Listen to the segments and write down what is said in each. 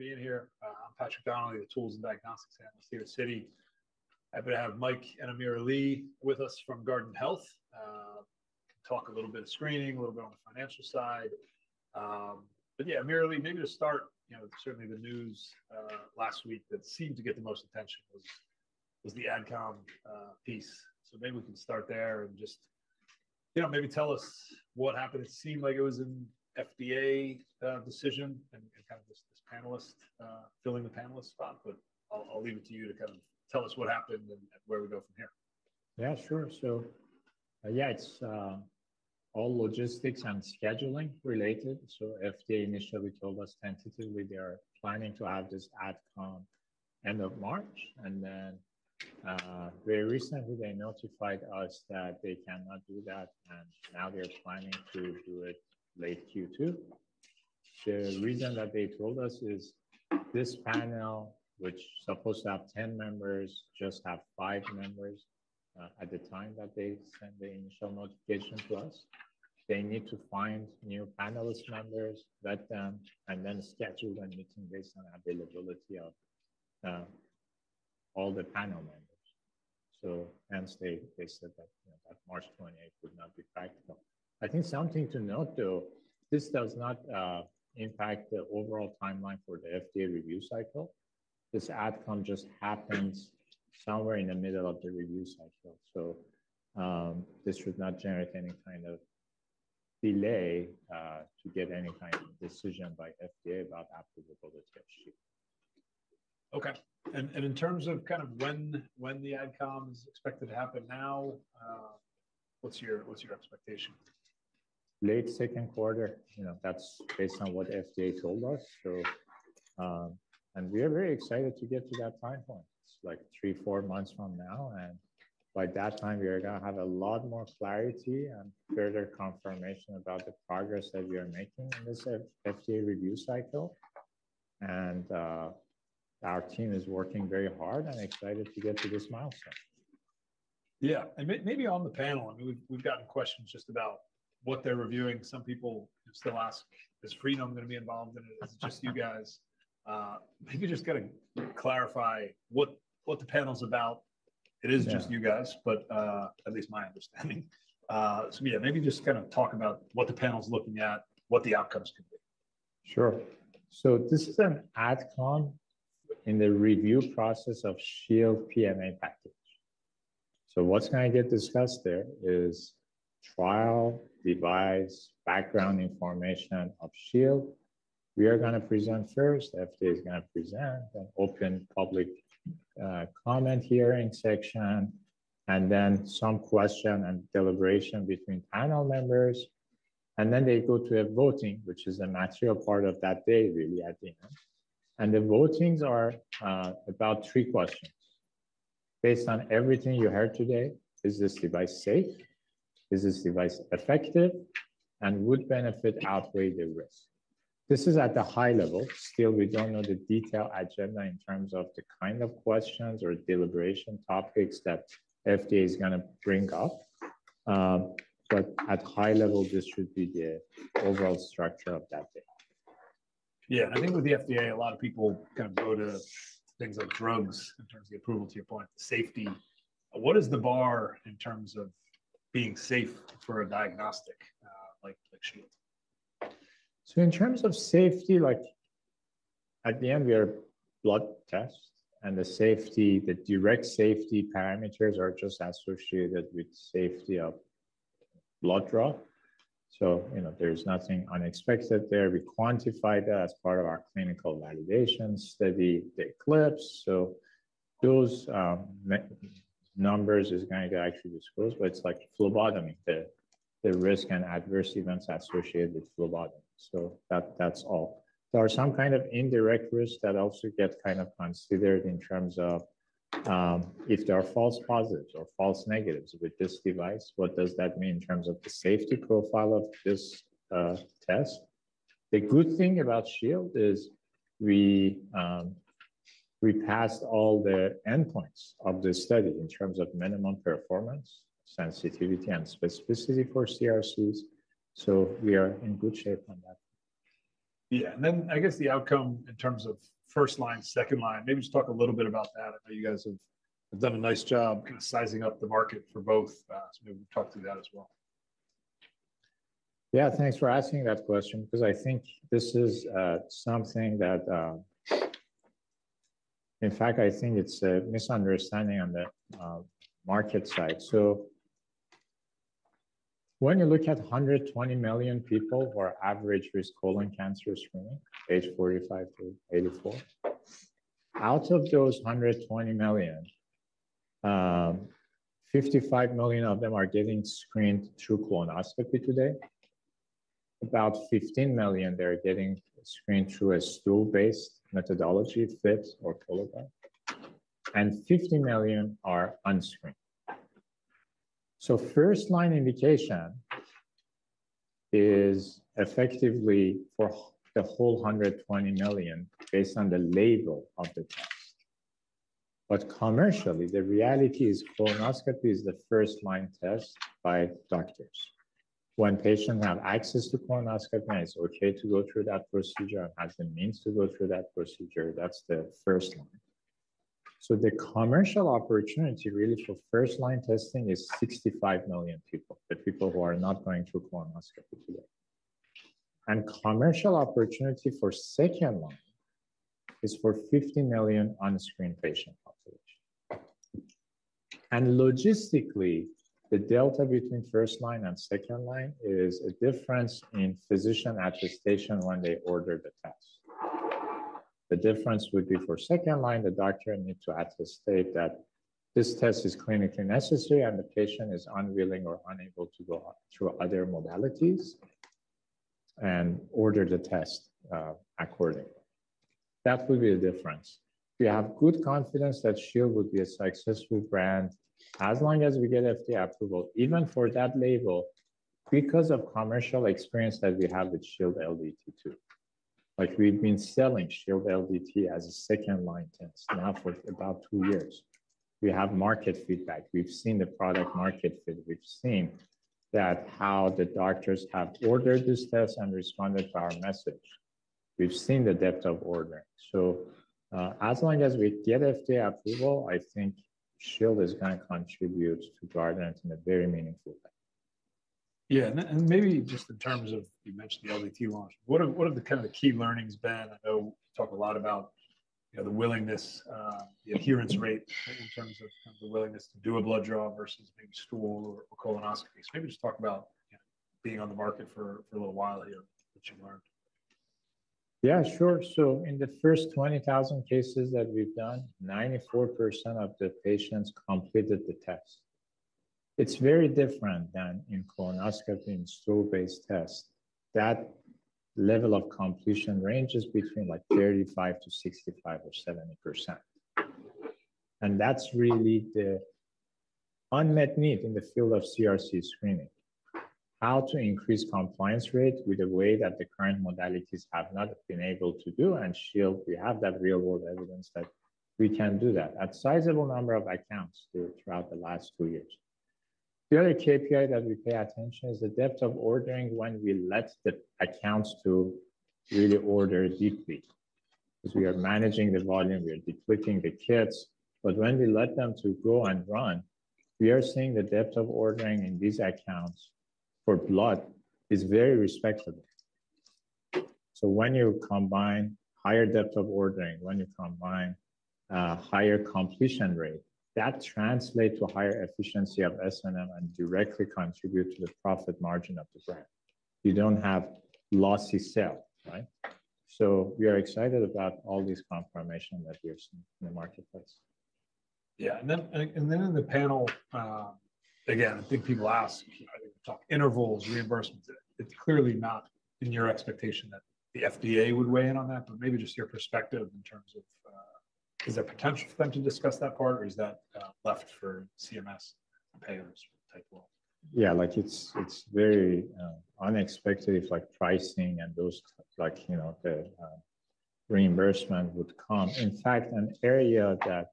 being here. I'm Patrick Donnelly, the tools and diagnostics analyst here at Citi. I'm going to have Mike and AmirAli with us from Guardant Health, talk a little bit of screening, a little bit on the financial side. But yeah, AmirAi, maybe to start, you know, certainly the news last week that seemed to get the most attention was, was the AdCom piece. So maybe we can start there, and just, you know, maybe tell us what happened. It seemed like it was an FDA decision, and kind of this, this panelist filling the panelist spot, but I'll, I'll leave it to you to kind of tell us what happened and, and where we go from here. Yeah, sure. So, yeah, it's all logistics and scheduling related. So FDA initially told us tentatively they are planning to have this AdCom end of March, and then, very recently, they notified us that they cannot do that, and now they're planning to do it late Q2. The reason that they told us is this panel, which supposed to have 10 members, just have 5 members, at the time that they sent the initial notification to us. They need to find new panelist members, vet them, and then schedule the meeting based on availability of all the panel members. So hence they said that, you know, that March 28th would not be practical. I think something to note, though, this does not impact the overall timeline for the FDA review cycle. This AdCom just happens somewhere in the middle of the review cycle, so, this should not generate any kind of delay, to get any kind of decision by FDA about applicable to get shipped. Okay. And in terms of kind of when the AdCom is expected to happen now, what's your expectation? Late second quarter, you know, that's based on what FDA told us. So, and we are very excited to get to that time point. It's like 3-4 months from now, and by that time, we are gonna have a lot more clarity and further confirmation about the progress that we are making in this FDA review cycle. And, our team is working very hard and excited to get to this milestone. Yeah, and maybe on the panel, I mean, we've gotten questions just about what they're reviewing. Some people still ask, "Is Freenome gonna be involved in it? It's just you guys." Maybe you just got to clarify what the panel's about. Yeah. It is just you guys, but, at least my understanding. So yeah, maybe just kind of talk about what the panel's looking at, what the outcomes could be. Sure. So this is an AdCom in the review process of Shield PMA package. So what's gonna get discussed there is trial, device, background information of Shield. We are gonna present first, FDA is gonna present an open public comment hearing section, and then some question and deliberation between panel members. And then they go to a voting, which is a material part of that day, really, at the end. And the votings are about three questions: Based on everything you heard today, is this device safe? Is this device effective, and would benefit outweigh the risk? This is at the high level. Still, we don't know the detailed agenda in terms of the kind of questions or deliberation topics that FDA is gonna bring up. But at high level, this should be the overall structure of that day. Yeah. I think with the FDA, a lot of people kind of go to things like drugs in terms of the approval, to your point, safety. What is the bar in terms of being safe for a diagnostic, like Shield? So in terms of safety, like, at the end, we are blood test, and the safety, the direct safety parameters are just associated with safety of blood draw. So, you know, there's nothing unexpected there. We quantify that as part of our clinical validation study, the ECLIPSE. So those mean numbers are going to get actually disclosed, but it's like phlebotomy, the risk and adverse events associated with phlebotomy. So that's all. There are some kind of indirect risk that also get kind of considered in terms of, if there are false positives or false negatives with this device, what does that mean in terms of the safety profile of this test? The good thing about Shield is we passed all the endpoints of this study in terms of minimum performance, sensitivity, and specificity for CRCs, so we are in good shape on that. Yeah, and then I guess the outcome in terms of first line, second line, maybe just talk a little bit about that. I know you guys have done a nice job kind of sizing up the market for both sides. Maybe we'll talk through that as well. Yeah, thanks for asking that question, because I think this is something that... In fact, I think it's a misunderstanding on the market side. So when you look at 120 million people who are average risk colon cancer screening, age 45-84, out of those 120 million, 55 million of them are getting screened through colonoscopy today. About 15 million, they're getting screened through a stool-based methodology, FIT or Cologuard, and 50 million are unscreened. So first line indication is effectively for the whole 120 million, based on the label of the test... but commercially, the reality is colonoscopy is the first-line test by doctors. When patients have access to colonoscopy, and it's okay to go through that procedure and have the means to go through that procedure, that's the first line. So the commercial opportunity, really, for first-line testing is 65 million people, the people who are not going through colonoscopy today. Commercial opportunity for second-line is for 50 million unscreened patient population. And logistically, the delta between first-line and second-line is a difference in physician attestation when they order the test. The difference would be for second-line, the doctor need to attest that this test is clinically necessary, and the patient is unwilling or unable to go through other modalities, and order the test, accordingly. That would be the difference. We have good confidence that Shield would be a successful brand as long as we get FDA approval, even for that label, because of commercial experience that we have with Shield LDT too. Like, we've been selling Shield LDT as a second-line test now for about 2 years. We have market feedback. We've seen the product market fit. We've seen that how the doctors have ordered this test and responded to our message. We've seen the depth of ordering. So, as long as we get FDA approval, I think Shield is gonna contribute to Guardant in a very meaningful way. Yeah, and maybe just in terms of... You mentioned the LDT launch. What are the kind of the key learnings been? I know you talk a lot about, you know, the willingness, the adherence rate in terms of kind of the willingness to do a blood draw versus maybe stool or colonoscopy. So maybe just talk about, you know, being on the market for a little while here, what you learned. Yeah, sure. So in the first 20,000 cases that we've done, 94% of the patients completed the test. It's very different than in colonoscopy and stool-based test. That level of completion ranges between, like, 35%-65% or 70%, and that's really the unmet need in the field of CRC screening, how to increase compliance rate with the way that the current modalities have not been able to do, and Shield, we have that real-world evidence that we can do that, at sizable number of accounts throughout the last two years. The other KPI that we pay attention is the depth of ordering when we let the accounts to really order deeply, 'cause we are managing the volume, we are depleting the kits, but when we let them to go and run, we are seeing the depth of ordering in these accounts for blood is very respectable. So when you combine higher depth of ordering, when you combine, higher completion rate, that translate to higher efficiency of S&M and directly contribute to the profit margin of the brand. You don't have losses sale, right? So we are excited about all this confirmation that we've seen in the marketplace. Yeah, and then in the panel, again, I think people ask, talk intervals, reimbursements. It's clearly not in your expectation that the FDA would weigh in on that, but maybe just your perspective in terms of, is there potential for them to discuss that part, or is that left for CMS payers type role? Yeah, like, it's, it's very unexpected, if, like, pricing and those, like, you know, the reimbursement would come. In fact, an area that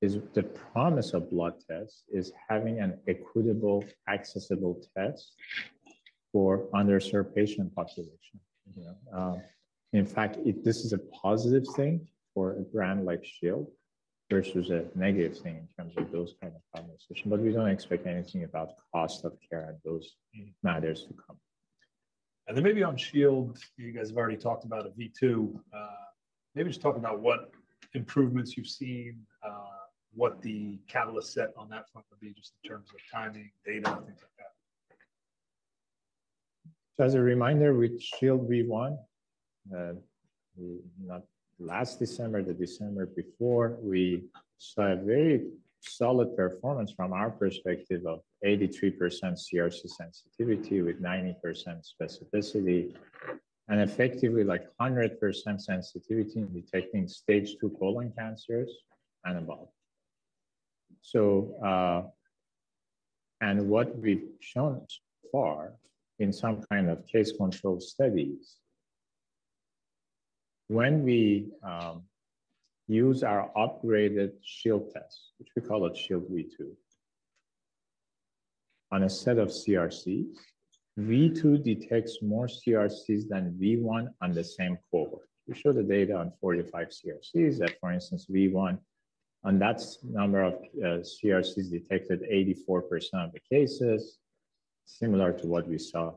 is the promise of blood tests is having an equitable, accessible test for underserved patient population, you know? In fact, this is a positive thing for a brand like Shield versus a negative thing in terms of those kind of conversation, but we don't expect anything about cost of care and those matters to come. Then maybe on Shield, you guys have already talked about a V2. Maybe just talk about what improvements you've seen, what the catalyst set on that front would be just in terms of timing, data, things like that. So as a reminder, with Shield V1, not last December, the December before, we saw a very solid performance from our perspective of 83% CRC sensitivity with 90% specificity, and effectively, like, 100% sensitivity in detecting Stage II colon cancers and above. So, and what we've shown so far in some kind of case-control studies, when we use our upgraded Shield test, which we call it Shield V2, on a set of CRCs, V2 detects more CRCs than V1 on the same cohort. We show the data on 45 CRCs that, for instance, V1 on that number of CRCs detected 84% of the cases, similar to what we saw,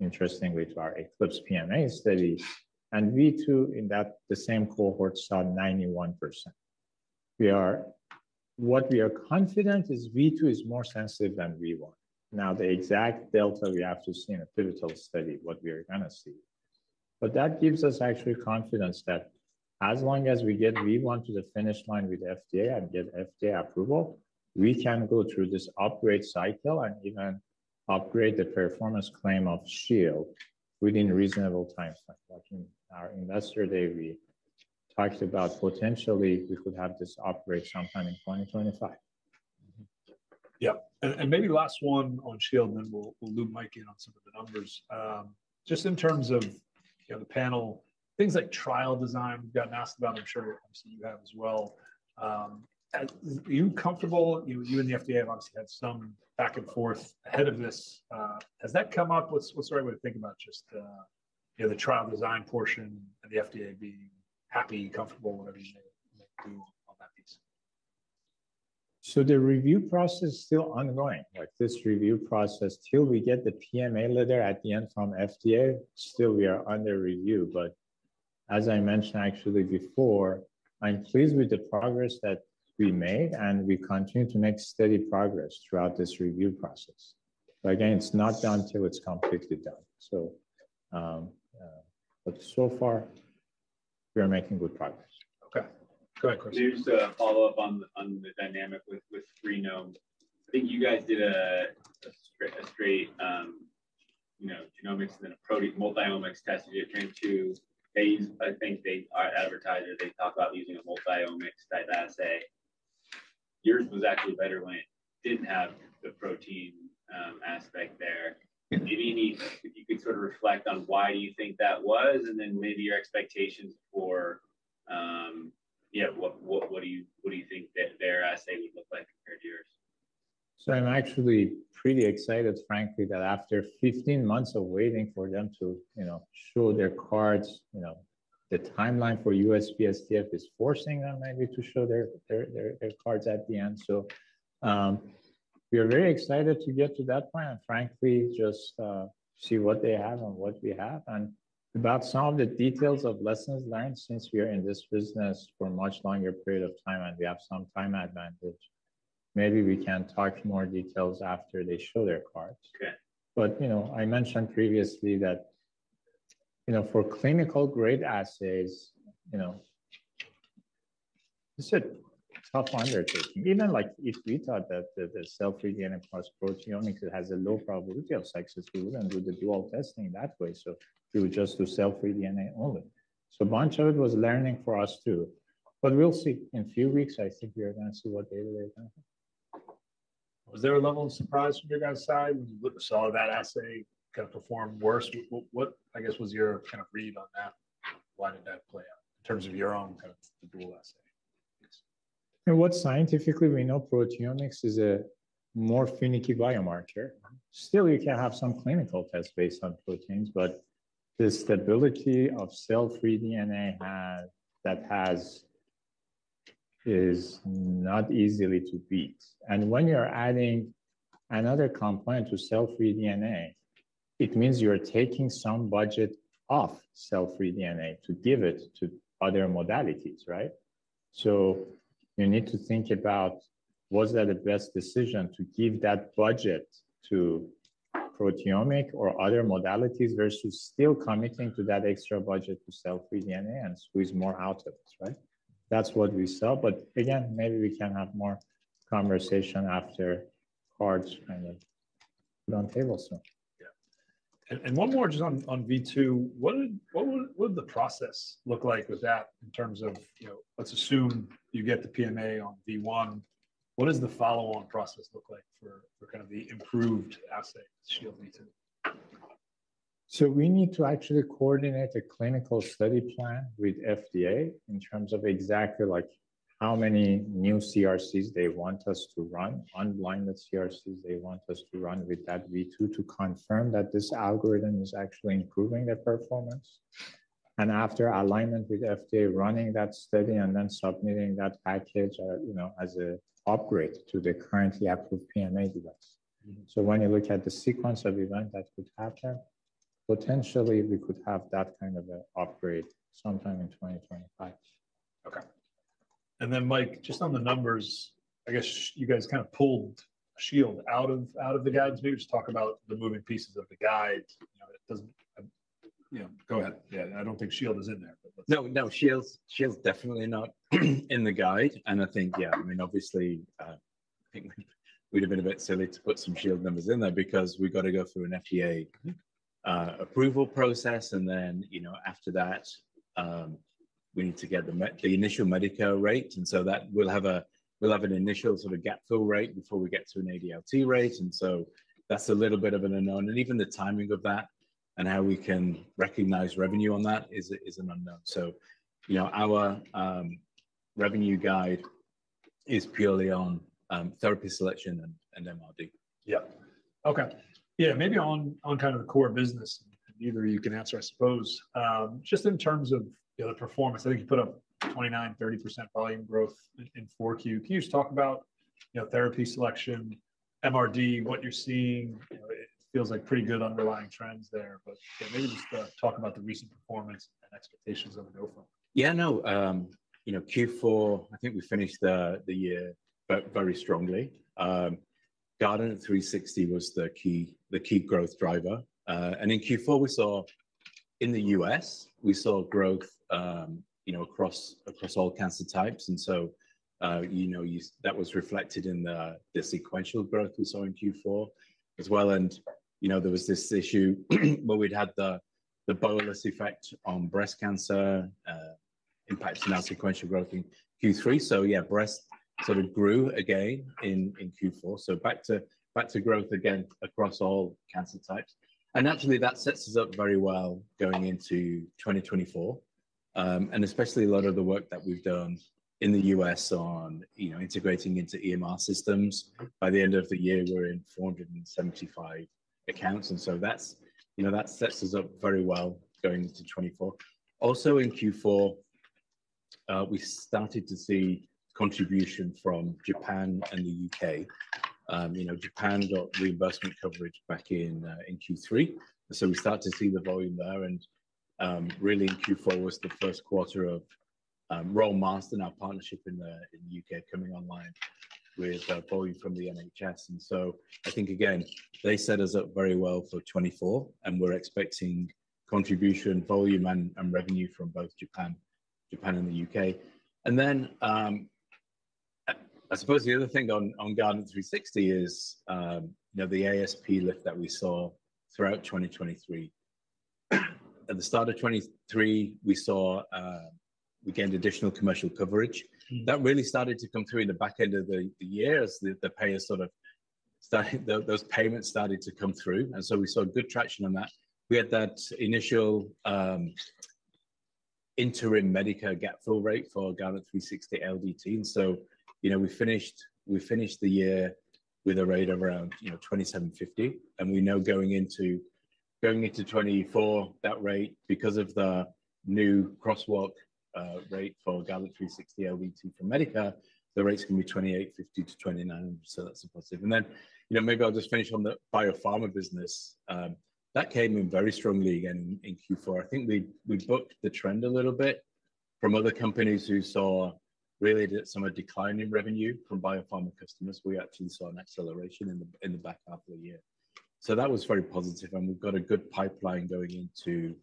interestingly, to our ECLIPSE PMA study, and V2, in that the same cohort, saw 91%. What we are confident is V2 is more sensitive than V1. Now, the exact delta, we have to see in a pivotal study, what we are gonna see. But that gives us actually confidence that as long as we get V1 to the finish line with FDA and get FDA approval, we can go through this upgrade cycle and even upgrade the performance claim of Shield within a reasonable timeframe. Like in our Investor Day, we talked about potentially we could have this upgrade sometime in 2025.... Yep, and maybe last one on Shield, and then we'll loop Mike in on some of the numbers. Just in terms of, you know, the panel, things like trial design, we've gotten asked about, I'm sure obviously you have as well. Are you comfortable, you and the FDA have obviously had some back and forth ahead of this. Has that come up? What's everybody thinking about just the, you know, the trial design portion and the FDA being happy, comfortable, whatever you say, do on that piece? The review process is still ongoing, like this review process, till we get the PMA letter at the end from FDA, still we are under review. As I mentioned actually before, I'm pleased with the progress that we made, and we continue to make steady progress throughout this review process. Again, it's not done till it's completely done. But so far, we are making good progress. Okay. Go ahead, Chris. Just to follow up on the dynamic with Freenome. I think you guys did a straight, you know, genomics and then a proteomic multiomics test to get them to phase. I think they are adversary. They talk about using a multiomics type assay. Yours was actually better when it didn't have the protein aspect there. If you could sort of reflect on why you think that was, and then maybe your expectations for, you know, what do you think that their assay would look like compared to yours? So I'm actually pretty excited, frankly, that after 15 months of waiting for them to, you know, show their cards, you know, the timeline for USPSTF is forcing them maybe to show their cards at the end. So, we are very excited to get to that point, and frankly, just, see what they have and what we have. And about some of the details of lessons learned since we are in this business for a much longer period of time and we have some time advantage, maybe we can talk more details after they show their cards. Okay. But, you know, I mentioned previously that, you know, for clinical-grade assays, you know, it's a tough undertaking. Even like, if we thought that the cell-free DNA plus proteomics has a low probability of success, we wouldn't do the dual testing that way, so we would just do cell-free DNA only. So much of it was learning for us, too. But we'll see. In a few weeks, I think we're going to see what data they have. Was there a level of surprise from your guys' side when you saw that assay kind of perform worse? What, what, I guess, was your kind of read on that? Why did that play out in terms of your own kind of dual assay? What scientifically we know, proteomics is a more finicky biomarker. Still, you can have some clinical test based on proteins, but the stability of cell-free DNA is not easily to beat. When you are adding another component to cell-free DNA, it means you are taking some budget off cell-free DNA to give it to other modalities, right? You need to think about, was that the best decision to give that budget to proteomic or other modalities, versus still committing to that extra budget to cell-free DNA and squeeze more out of this, right? That's what we saw, but again, maybe we can have more conversation after cards kind of put on the table, so. Yeah. And one more just on V2, what would the process look like with that in terms of, you know, let's assume you get the PMA on V1, what does the follow-on process look like for kind of the improved assay Shield V2? We need to actually coordinate a clinical study plan with FDA in terms of exactly like how many new CRCs they want us to run, unblinded CRCs they want us to run with that V2 to confirm that this algorithm is actually improving the performance. And after alignment with FDA, running that study and then submitting that package, you know, as an upgrade to the currently approved PMA device. Mm-hmm. When you look at the sequence of event that could happen, potentially we could have that kind of a upgrade sometime in 2025. Okay. And then, Mike, just on the numbers, I guess you guys kind of pulled Shield out of the guidance. Maybe just talk about the moving pieces of the guide. You know, it doesn't... Yeah, go ahead. Yeah, I don't think Shield is in there, but- No, no, Shield's definitely not in the guide. And I think, yeah, I mean, obviously, I think we'd have been a bit silly to put some Shield numbers in there because we've got to go through an FDA approval process, and then, you know, after that, we need to get the initial Medicare rate, and so that we'll have an initial sort of gap fill rate before we get to an ADLT rate, and so that's a little bit of an unknown. And even the timing of that and how we can recognize revenue on that is an unknown. So, you know, our revenue guide is purely on therapy selection and MRD. Yeah. Okay. Yeah, maybe on, on kind of the core business, either of you can answer, I suppose. Just in terms of, you know, the performance, I think you put up 29-30% volume growth in 4Q. Can you just talk about, you know, therapy selection, MRD, what you're seeing? You know, it feels like pretty good underlying trends there, but, yeah, maybe just, talk about the recent performance and expectations on the go-forward. Yeah, no, you know, Q4, I think we finished the year very, very strongly. Guardant360 was the key growth driver. And in Q4 we saw - in the U.S., we saw growth, you know, across all cancer types, and so, you know, that was reflected in the sequential growth we saw in Q4 as well. And, you know, there was this issue where we'd had the bolus effect on breast cancer - impact on our sequential growth in Q3. So yeah, breast sort of grew again in Q4. So back to growth again across all cancer types. And naturally, that sets us up very well going into 2024, and especially a lot of the work that we've done in the U.S. on, you know, integrating into EMR systems. By the end of the year, we're in 475 accounts, and so that's, you know, that sets us up very well going into 2024. Also in Q4, we started to see contribution from Japan and the U.K. You know, Japan got reimbursement coverage back in, in Q3, and so we start to see the volume there, and, really in Q4 was the first quarter of, rollout in our partnership in the, in the U.K. coming online with volume from the NHS. And so I think again, they set us up very well for 2024, and we're expecting contribution, volume, and, and revenue from both Japan and the U.K. And then, I suppose the other thing on, on Guardant360 is, you know, the ASP lift that we saw throughout 2023. At the start of 2023, we saw we gained additional commercial coverage. That really started to come through in the back end of the year as the payer sort of started those payments started to come through, and so we saw good traction on that. We had that initial interim Medicare gap fill rate for Guardant360 LDT, and so, you know, we finished the year with a rate of around, you know, $2,750, and we know going into 2024, that rate, because of the new crosswalk rate for Guardant360 LDT from Medicare, the rates are going to be $2,850-$2,900, so that's a positive. And then, you know, maybe I'll just finish on the biopharma business. That came in very strongly again in Q4. I think we booked the trend a little bit from other companies who saw really a decline in revenue from biopharma customers. We actually saw an acceleration in the back half of the year. So that was very positive, and we've got a good pipeline going into,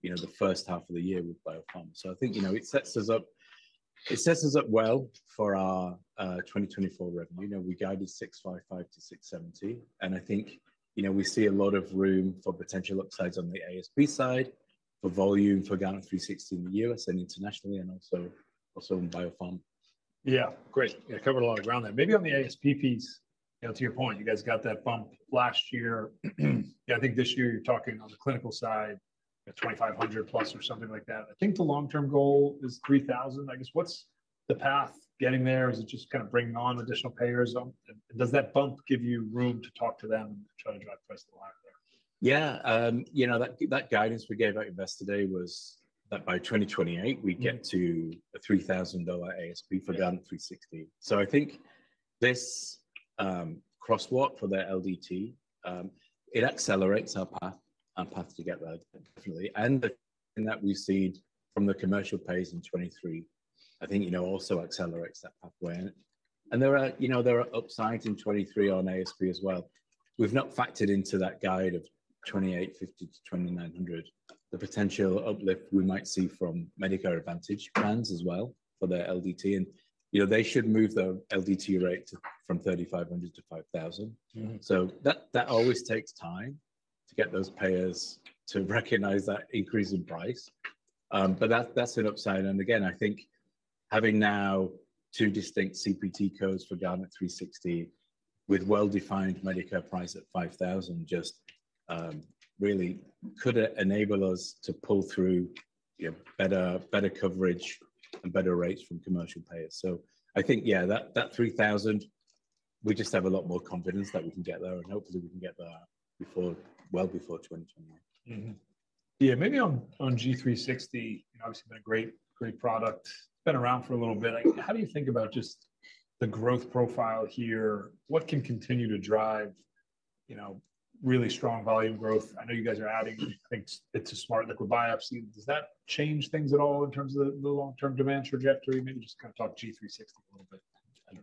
you know, the first half of the year with biopharma. So I think, you know, it sets us up well for our 2024 revenue. You know, we guided $655-$670 million, and I think, you know, we see a lot of room for potential upsides on the ASP side, for volume for Guardant360 in the U.S. and internationally, and also in biopharma. Yeah, great. Yeah, covered a lot of ground there. Maybe on the ASP piece, you know, to your point, you guys got that bump last year. Yeah, I think this year you're talking on the clinical side, at $2,500+ or something like that. I think the long-term goal is $3,000. I guess, what's the path getting there? Is it just kind of bringing on additional payers, does that bump give you room to talk to them and try to drive price alive there? Yeah, you know, that, that guidance we gave out yesterday was that by 2028, we'd get to a $3,000 ASP for Guardant360. So I think this crosswalk for their LDT, it accelerates our path, our path to get there, definitely. And the thing that we've seen from the commercial pace in 2023, I think, you know, also accelerates that pathway. And there are, you know, there are upsides in 2023 on ASP as well. We've not factored into that guide of $2,850-$2,900, the potential uplift we might see from Medicare Advantage plans as well for their LDT, and, you know, they should move the LDT rate to from $3,500 to $5,000. Mm-hmm. So that, that always takes time to get those payers to recognize that increase in price. But that's, that's an upside, and again, I think having now two distinct CPT codes for Guardant360 with well-defined Medicare price at $5,000 just, really could enable us to pull through, yeah, better, better coverage and better rates from commercial payers. So I think, yeah, that, that $3,000, we just have a lot more confidence that we can get there, and hopefully, we can get there before, well before 2021. Mm-hmm. Yeah, maybe on, on Guardant360, you know, obviously been a great, great product. Been around for a little bit. How do you think about just the growth profile here? What can continue to drive, you know, really strong volume growth? I know you guys are adding, I think it's a Smart Liquid Biopsy. Does that change things at all in terms of the, the long-term demand trajectory? Maybe just kind of talk Guardant360 a little bit.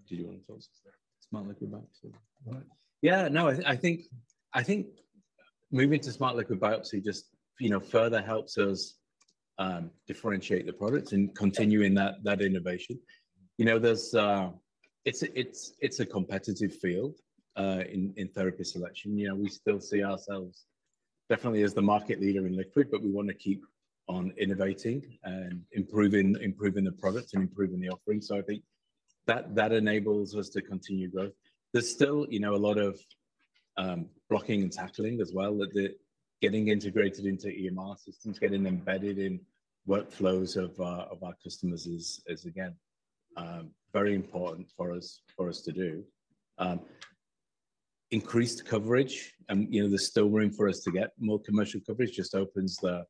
Do you want to tell us there? Smart liquid biopsy. Right. Yeah. No, I think moving to Smart Liquid Biopsy just, you know, further helps us differentiate the products and continuing that innovation. You know, there's. It's a competitive field in therapy selection. You know, we still see ourselves definitely as the market leader in liquid, but we want to keep on innovating and improving the product and improving the offering. So I think that enables us to continue growth. There's still, you know, a lot of blocking and tackling as well, that the getting integrated into EMR systems, getting embedded in workflows of our customers is again very important for us to do. Increased coverage, you know, there's still room for us to get more commercial coverage, just opens the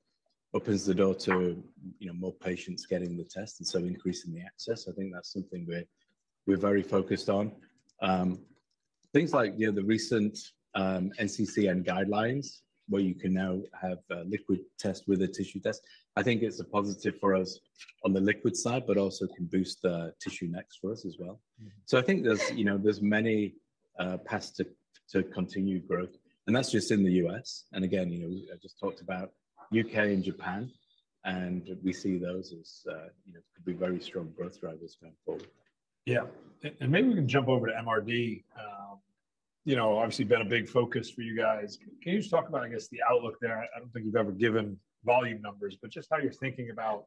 door to, you know, more patients getting the test, and so increasing the access. I think that's something we're very focused on. Things like, you know, the recent NCCN guidelines, where you can now have a liquid test with a tissue test, I think it's a positive for us on the liquid side, but also can boost the TissueNext for us as well. So I think there's, you know, there's many paths to continue growth, and that's just in the U.S. And again, you know, I just talked about U.K. and Japan, and we see those as, you know, could be very strong growth drivers going forward. Yeah. And, and maybe we can jump over to MRD, you know, obviously been a big focus for you guys. Can you just talk about, I guess, the outlook there? I don't think you've ever given volume numbers, but just how you're thinking about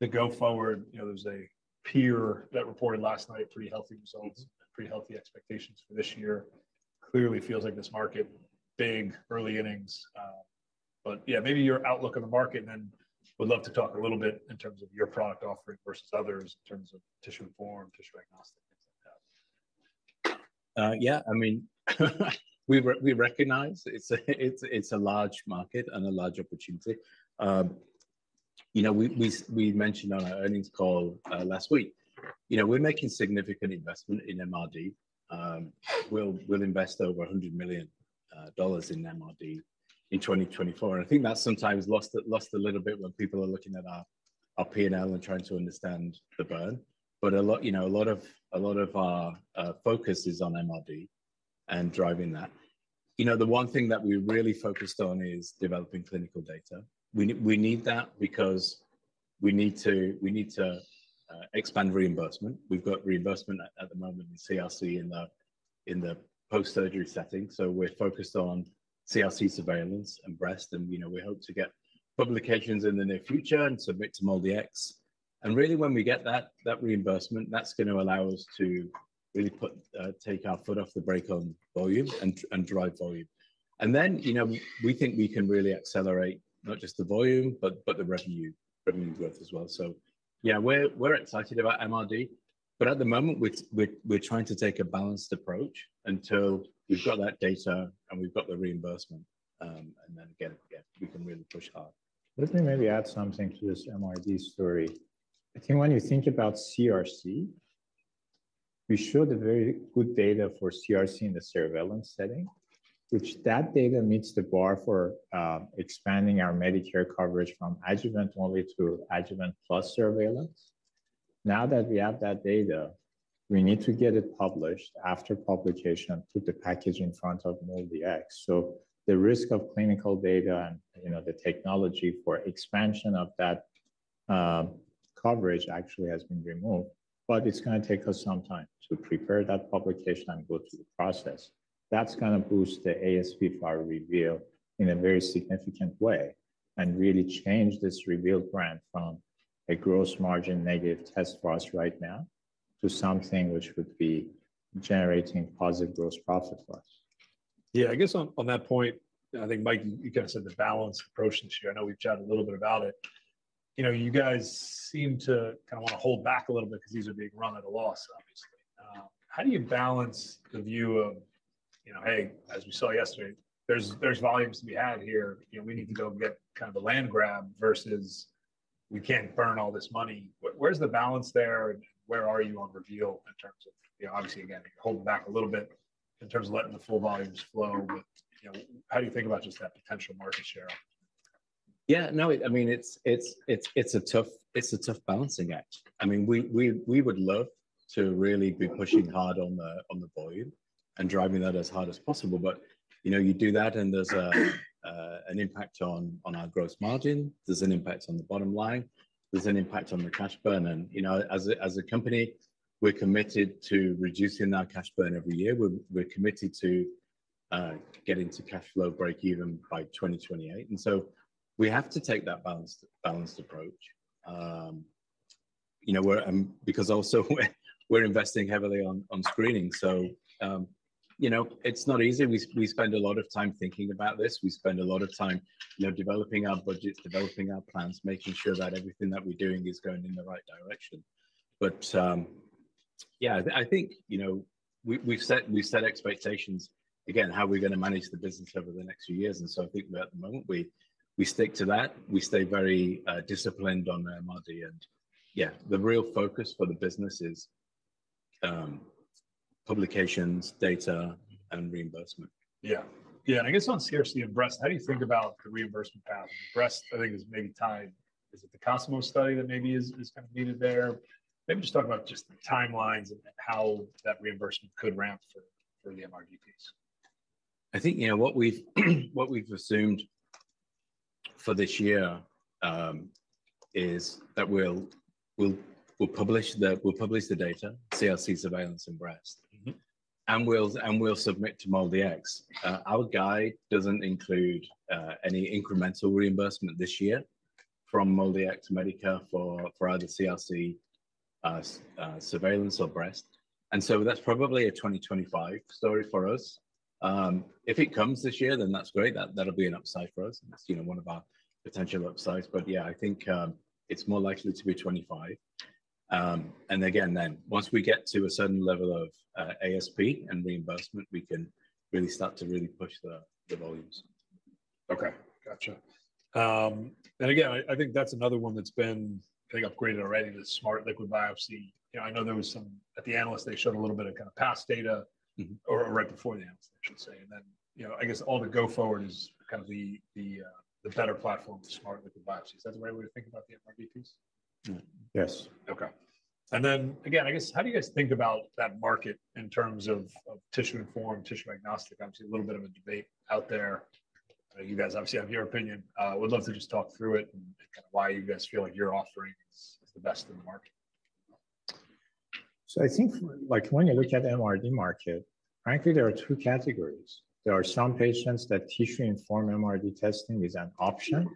the go forward. You know, there's a peer that reported last night, pretty healthy results, pretty healthy expectations for this year. Clearly feels like this market, big early innings, but yeah, maybe your outlook on the market, and then would love to talk a little bit in terms of your product offering versus others, in terms of tissue-informed, tissue diagnostic, things like that. Yeah, I mean, we recognize it's a large market and a large opportunity. You know, we mentioned on our earnings call last week, you know, we're making significant investment in MRD. We'll invest over $100 million in MRD in 2024, and I think that's sometimes lost a little bit when people are looking at our P&L and trying to understand the burn. But a lot, you know, of our focus is on MRD and driving that. You know, the one thing that we're really focused on is developing clinical data. We need that because we need to expand reimbursement. We've got reimbursement at the moment in CRC in the post-surgery setting, so we're focused on CRC surveillance and breast, and, you know, we hope to get publications in the near future and submit to MolDX. And really, when we get that reimbursement, that's going to allow us to really take our foot off the brake on volume and drive volume. And then, you know, we think we can really accelerate not just the volume, but the revenue growth as well. So yeah, we're trying to take a balanced approach until we've got that data and we've got the reimbursement, and then, again, yeah, we can really push hard. Let me maybe add something to this MRD story. I think when you think about CRC, we showed a very good data for CRC in the surveillance setting, which that data meets the bar for expanding our Medicare coverage from adjuvant only to adjuvant plus surveillance. Now that we have that data, we need to get it published after publication, put the package in front of MolDX. So the risk of clinical data and, you know, the technology for expansion of that coverage actually has been removed, but it's gonna take us some time to prepare that publication and go through the process. That's gonna boost the ASP for Reveal in a very significant way and really change this Reveal brand from a gross margin negative test for us right now to something which would be generating positive gross profit for us. Yeah, I guess on that point, I think, Mike, you kind of said the balanced approach this year. I know we've chatted a little bit about it. You know, you guys seem to kind of want to hold back a little bit because these are being run at a loss, obviously. How do you balance the view of, you know, hey, as we saw yesterday, there's volumes to be had here, you know, we need to go get kind of a land grab, versus we can't burn all this money? Where's the balance there, and where are you on Reveal in terms of, you know, obviously, again, holding back a little bit in terms of letting the full volumes flow. But, you know, how do you think about just that potential market share? Yeah, no, I mean, it's a tough balancing act. I mean, we would love to really be pushing hard on the volume and driving that as hard as possible, but, you know, you do that, and there's an impact on our gross margin, there's an impact on the bottom line, there's an impact on the cash burn. And, you know, as a company, we're committed to reducing our cash burn every year. We're committed to getting to cash flow break even by 2028, and so we have to take that balanced approach. You know, we're investing heavily on screening. So, you know, it's not easy. We spend a lot of time thinking about this. We spend a lot of time, you know, developing our budgets, developing our plans, making sure that everything that we're doing is going in the right direction. But, yeah, I think, you know, we, we've set, we've set expectations, again, how we're gonna manage the business over the next few years, and so I think at the moment, we, we stick to that. We stay very, disciplined on MRD, and, yeah, the real focus for the business is, publications, data, and reimbursement. Yeah. Yeah, and I guess on CRC and breast, how do you think about the reimbursement path? Breast, I think, is maybe tied. Is it the COSMOS study that maybe is kind of needed there? Maybe just talk about just the timelines and how that reimbursement could ramp for the MRD piece. I think, you know, what we've assumed for this year is that we'll publish the data, CRC surveillance in breast. Mm-hmm. We'll submit to MolDX. Our guide doesn't include any incremental reimbursement this year from MolDX to Medicare for either CRC surveillance or breast, and so that's probably a 2025 story for us. If it comes this year, then that's great. That, that'll be an upside for us, and that's, you know, one of our potential upsides, but yeah, I think it's more likely to be 25. And again, then, once we get to a certain level of ASP and reimbursement, we can really start to push the volumes. Okay, gotcha. And again, I think that's another one that's been, I think, upgraded already, the smart liquid biopsy. You know, I know there was some... At the analyst day, they showed a little bit of kind of past data- Mm-hmm. Or right before the analyst, I should say. And then, you know, I guess all the go forward is kind of the better platform to smart liquid biopsy. Is that the right way to think about the MRD piece? Mm. Yes. Okay. And then, again, I guess, how do you guys think about that market in terms of, of tissue informed, tissue agnostic? Obviously, a little bit of a debate out there. You guys obviously have your opinion. Would love to just talk through it and kind of why you guys feel like your offering is, is the best in the market.... So I think, like, when you look at the MRD market, frankly, there are two categories. There are some patients that tissue-informed MRD testing is an option.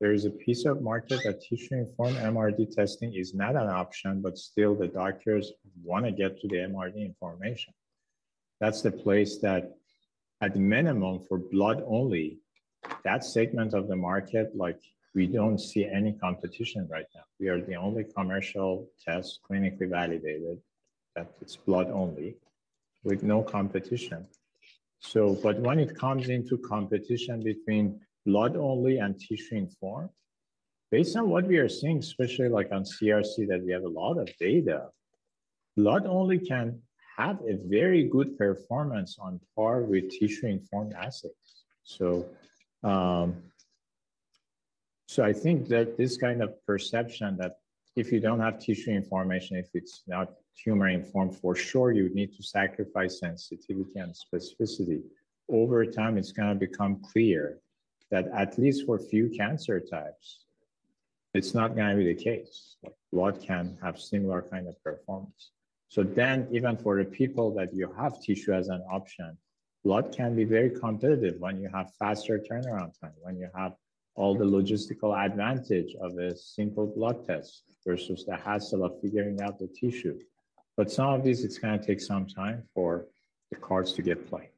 There is a piece of market that tissue-informed MRD testing is not an option, but still the doctors want to get to the MRD information. That's the place that, at minimum, for blood only, that segment of the market, like, we don't see any competition right now. We are the only commercial test clinically validated, that it's blood only with no competition. So but when it comes into competition between blood only and tissue-informed, based on what we are seeing, especially like on CRC, that we have a lot of data, blood only can have a very good performance on par with tissue-informed assays. So, so I think that this kind of perception that if you don't have tissue information, if it's not tumor-informed, for sure, you would need to sacrifice sensitivity and specificity. Over time, it's going to become clear that at least for a few cancer types, it's not going to be the case. Blood can have similar kind of performance. So then, even for the people that you have tissue as an option, blood can be very competitive when you have faster turnaround time, when you have all the logistical advantage of a simple blood test versus the hassle of figuring out the tissue. But some of these, it's going to take some time for the cards to get played.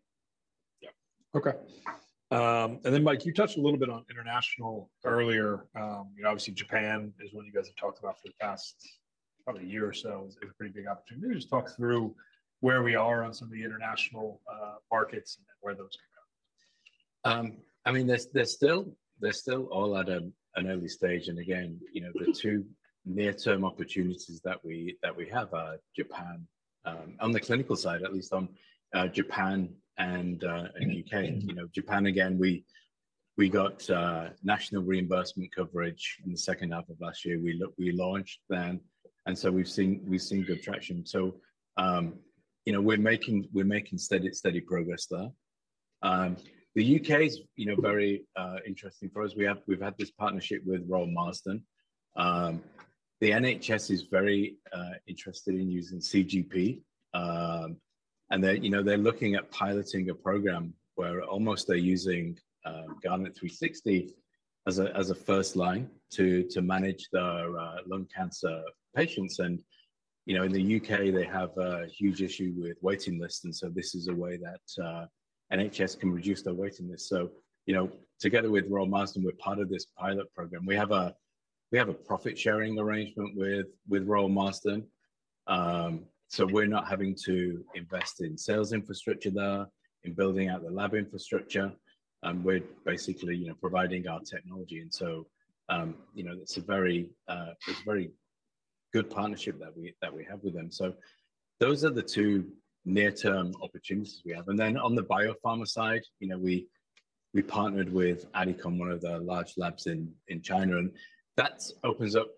Yeah. Okay. And then, Mike, you touched a little bit on international earlier. Obviously, Japan is one you guys have talked about for the past probably a year or so. It's a pretty big opportunity. Just talk through where we are on some of the international markets and where those can go. I mean, they're still all at an early stage, and again, you know, the two near-term opportunities that we have are Japan, on the clinical side, at least on Japan and U.K. You know, Japan, again, we got national reimbursement coverage in the second half of last year. We launched then, and so we've seen good traction. So, you know, we're making steady progress there. The U.K. is, you know, very interesting for us. We've had this partnership with The Royal Marsden. The NHS is very interested in using CGP, and they, you know, they're looking at piloting a program where almost they're using Guardant360 as a first line to manage their lung cancer patients. You know, in the U.K., they have a huge issue with waiting lists, and so this is a way that NHS can reduce their waiting list. So, you know, together with Royal Marsden, we're part of this pilot program. We have a profit-sharing arrangement with Royal Marsden, so we're not having to invest in sales infrastructure there, in building out the lab infrastructure. We're basically, you know, providing our technology, and so, you know, it's a very good partnership that we have with them. So those are the two near-term opportunities we have. And then on the biopharma side, you know, we partnered with Adicon, one of the large labs in China, and that opens up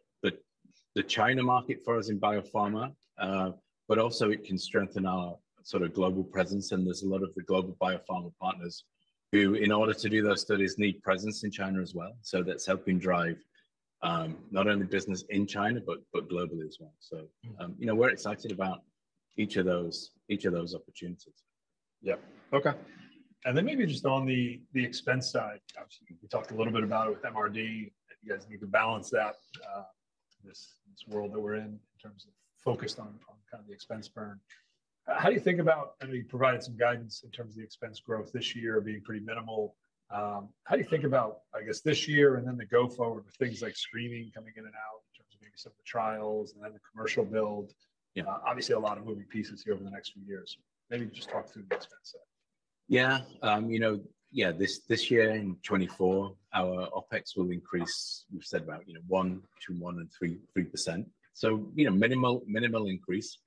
the China market for us in biopharma. But also it can strengthen our sort of global presence, and there's a lot of the global biopharma partners who, in order to do those studies, need presence in China as well. So that's helping drive not only business in China, but globally as well. So, you know, we're excited about each of those opportunities. Yeah. Okay. And then maybe just on the expense side, obviously, we talked a little bit about it with MRD. You guys need to balance that, this world that we're in, in terms of focused on kind of the expense burn. How do you think about, I mean, you provided some guidance in terms of the expense growth this year being pretty minimal. How do you think about, I guess, this year and then the go-forward with things like screening coming in and out in terms of maybe some of the trials and then the commercial build? You know, obviously, a lot of moving pieces here over the next few years. Maybe just talk through the expense side. Yeah. You know, yeah, this year in 2024, our OpEx will increase, we've said about, you know, 1%-1.3%. So, you know, minimal, minimal increase.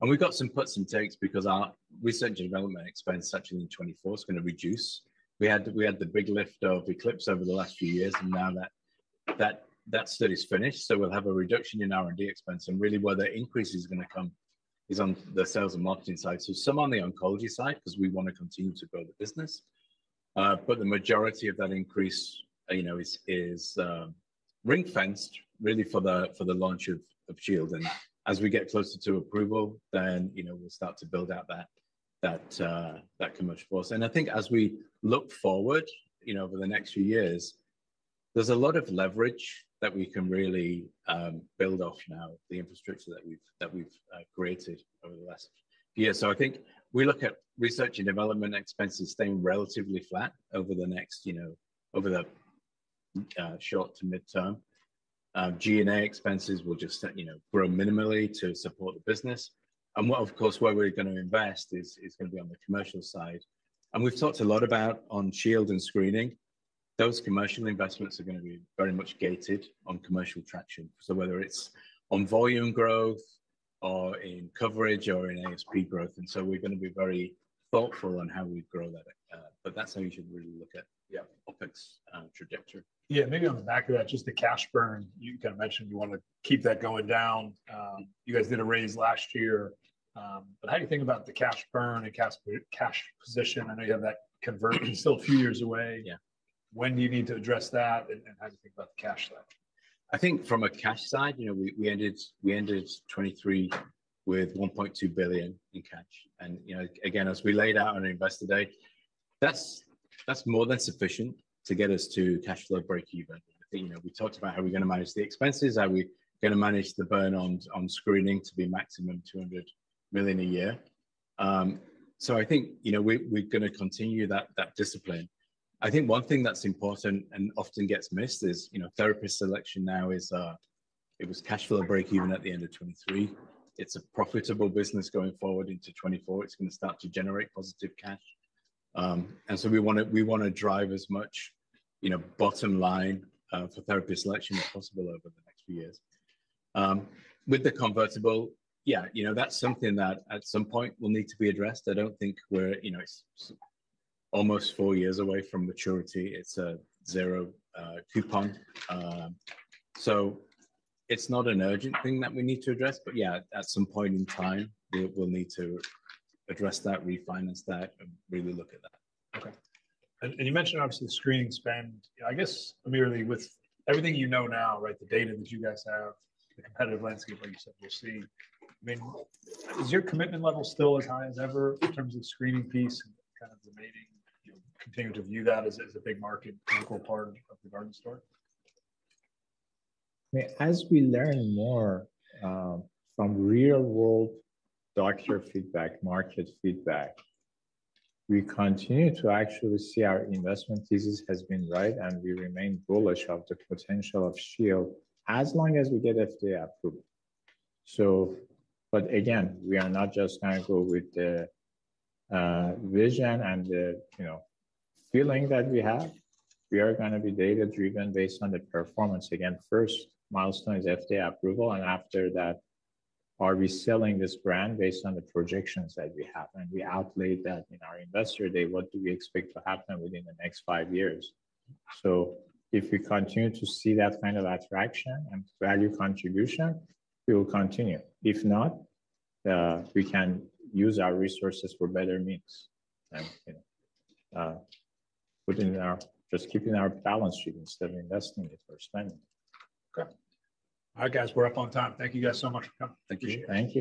And we've got some puts and takes because our research and development expense, especially in 2024, is going to reduce. We had the big lift of ECLIPSE over the last few years, and now that study is finished, so we'll have a reduction in R&D expense, and really, where the increase is going to come is on the sales and marketing side. So some on the oncology side, 'cause we want to continue to grow the business, but the majority of that increase, you know, is ring-fenced really for the launch of Shield. As we get closer to approval, then, you know, we'll start to build out that commercial force. I think as we look forward, you know, over the next few years, there's a lot of leverage that we can really build off the infrastructure that we've created over the last year. So I think we look at research and development expenses staying relatively flat over the next, you know, over the short to mid-term. G&A expenses will just, you know, grow minimally to support the business. Of course, where we're going to invest is going to be on the commercial side. We've talked a lot about Shield and screening. Those commercial investments are going to be very much gated on commercial traction, so whether it's on volume growth or in coverage or in ASP growth, and so we're going to be very thoughtful on how we grow that, but that's how you should really look at- Yeah... OpEx trajectory. Yeah, maybe on the back of that, just the cash burn. You kind of mentioned you want to keep that going down. You guys did a raise last year, but how do you think about the cash burn and cash position? I know you have that conversion still a few years away. Yeah.... when do you need to address that, and how do you think about the cash flow? I think from a cash side, you know, we ended 2023 with $1.2 billion in cash. You know, again, as we laid out on Investor Day, that's more than sufficient to get us to cash flow breakeven. I think, you know, we talked about how we're going to manage the expenses, how we're going to manage the burn on screening to be maximum $200 million a year. So I think, you know, we're going to continue that discipline. I think one thing that's important and often gets missed is, you know, therapy selection now is it was cash flow breakeven at the end of 2023. It's a profitable business going forward into 2024. It's going to start to generate positive cash. And so we wanna, we wanna drive as much, you know, bottom line, for therapy selection as possible over the next few years. With the convertible, yeah, you know, that's something that at some point will need to be addressed. I don't think we're, you know, almost four years away from maturity. It's a zero coupon. So it's not an urgent thing that we need to address, but yeah, at some point in time, we will need to address that, refinance that, and really look at that. Okay. And you mentioned, obviously, the screening spend. I guess, AmirAli, with everything you know now, right, the data that you guys have, the competitive landscape like you said we're seeing, I mean, is your commitment level still as high as ever in terms of the screening piece? And kind of the maybe, you continue to view that as a, as a big market, critical part of the Guardant story? As we learn more, from real-world doctor feedback, market feedback, we continue to actually see our investment thesis has been right, and we remain bullish of the potential of Shield, as long as we get FDA approval. But again, we are not just going to go with the, vision and the, you know, feeling that we have. We are gonna be data-driven based on the performance. Again, first milestone is FDA approval, and after that, are we selling this brand based on the projections that we have? And we outlaid that in our Investor Day, what do we expect to happen within the next five years? If we continue to see that kind of attraction and value contribution, we will continue. If not, we can use our resources for better means, and within our just keeping our balance sheet instead of investing it or spending. Okay. All right, guys, we're up on time. Thank you guys so much for coming. Thank you. Thank you.